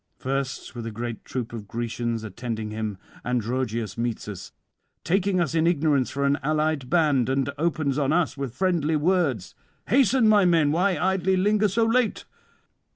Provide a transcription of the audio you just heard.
'First, with a great troop of Grecians attending him, Androgeus meets us, taking us in ignorance for an allied band, and opens on us with friendly words: "Hasten, my men; why idly linger so late?